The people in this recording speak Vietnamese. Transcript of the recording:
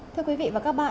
thưa quý vị và các bạn